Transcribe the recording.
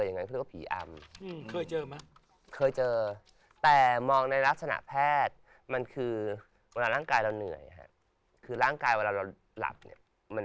ยังเค้าผิวอ่าอิอมเคยเจอมะมาเหมือนจบมาคิณคือรังกายหน่วยฮะคืออ่ากันว่าเราลับเนี่ย